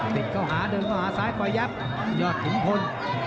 ติดเก้าหาเดินเก้าหาซ้ายกว่ายับยอดถึงพล